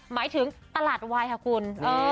หมายถึงตลาดวายค่ะคุณ